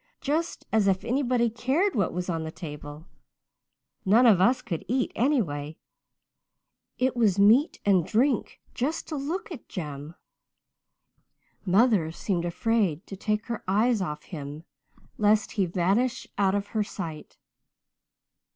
Just as if anybody cared what was on the table none of us could eat, anyway. It was meat and drink just to look at Jem. Mother seemed afraid to take her eyes off him lest he vanish out of her sight.